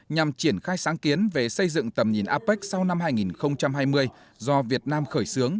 nhằm triển khai sáng kiến về xây dựng tầm nhìn apec sau năm hai nghìn hai mươi do việt nam khởi xướng